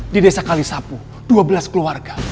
di desa kalisapu dua belas keluarga